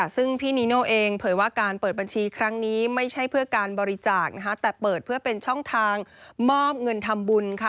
ซึ่งพี่นีโน่เองเผยว่าการเปิดบัญชีครั้งนี้ไม่ใช่เพื่อการบริจาคนะคะแต่เปิดเพื่อเป็นช่องทางมอบเงินทำบุญค่ะ